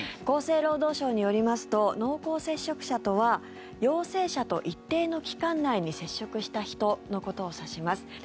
厚生労働省によりますと濃厚接触者とは陽性者と一定の期間内に接触した人のことを指します。